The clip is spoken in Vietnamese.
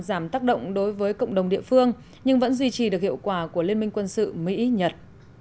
giảm tác động đối với cộng đồng địa phương nhưng vẫn duy trì được hiệu quả của liên minh quân sự mỹ nhật